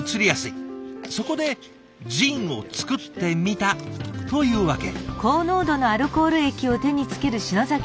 そこでジンを作ってみたというわけ。